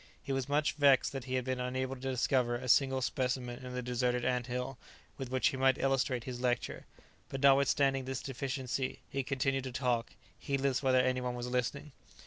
He was much vexed that he had been unable to discover a single specimen in the deserted anthill with which he might illustrate his lecture, but notwithstanding this deficiency he continued to talk, heedless whether any one was listening.